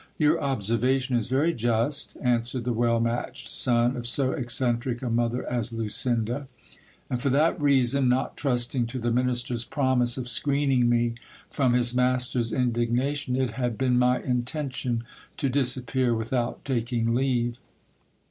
Your observation is very just, answered the well matched son of so eccentric a mother as Lucinda : and for that reason, not trusting to the minister's promise of screening me from his master's indignation, it had been my intention to disappear without taking leave.